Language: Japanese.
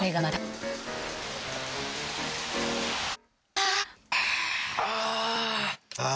ああ。